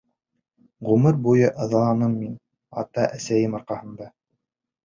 Ғүмер буйы ыҙаланым мин ата-әсәйем арҡаһында.